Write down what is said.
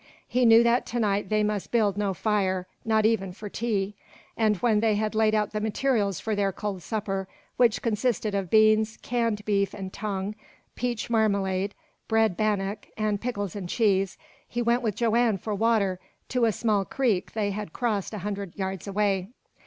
He knew that to night they must build no fire, not even for tea; and when they had laid out the materials for their cold supper, which consisted of beans, canned beef and tongue, peach marmalade, bread bannock, and pickles and cheese, he went with Joanne for water to a small creek they had crossed a hundred yards away.